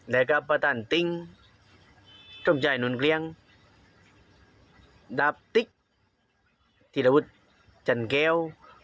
และกับประตานติ้งทรมชายหนุนเคลียงดาบติ๊กที่ระวุธจันทร์แก้ว